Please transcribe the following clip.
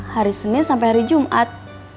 hari senin sampai hari jumat